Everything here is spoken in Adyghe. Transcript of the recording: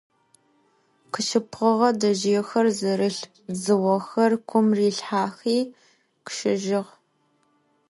Къышыпыгъэ дэжъыехэр зэрылъ дзыохэр кум рилъхьэхи къыщэжьыгъ.